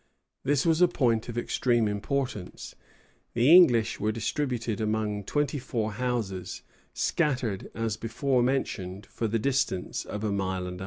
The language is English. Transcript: This was a point of extreme importance. The English were distributed among twenty four houses, scattered, as before mentioned, for the distance of a mile and a half.